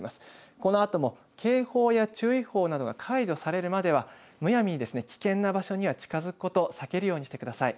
このあとも警報や注意報などが解除されるまでは、むやみに危険な場所には近づくこと、避けるようにしてください。